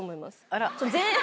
あら。